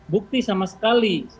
bukti sama sekali